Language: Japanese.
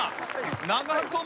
長友。